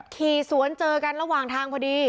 ขี่สวนเจอกันระหว่างทางพอดี